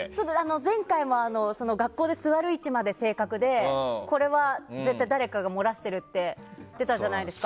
前回も学校で座る位置まで正確でこれは絶対誰かが漏らしてるって出たじゃないですか。